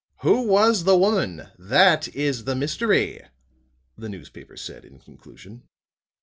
"Who was the woman? That is the mystery," the newspaper said in conclusion.